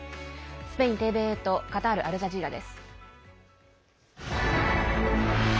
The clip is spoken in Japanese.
スペインＴＶＥとカタール・アルジャジーラです。